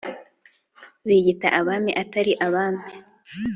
biyita abami atari abami